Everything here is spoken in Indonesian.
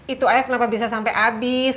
itu air kenapa bisa sampe abis